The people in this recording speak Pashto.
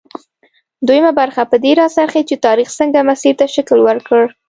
دویمه برخه پر دې راڅرخي چې تاریخ څنګه مسیر ته شکل ورکړ.